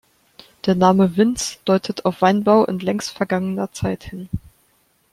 Der Name „Winz“ deutet auf Weinbau in längst vergangener Zeit hin.